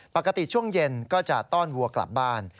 ปกติช่วงเย็นก็จะต้อนวัวกลับบ้าน